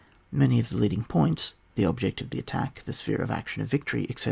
Many of the leading points, the olject of attack y the sphere of action of victory^ etc.